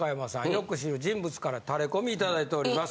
よく知る人物からタレコミいただいております。